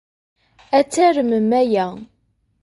Ad tarmem aya.